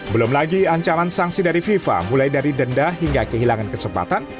belum lagi ancaman sanksi dari fifa mulai dari denda hingga kehilangan kesempatan